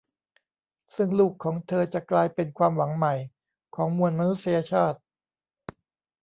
ซึ่งลูกของเธอจะกลายเป็นความหวังใหม่ของมวลมนุษยชาติ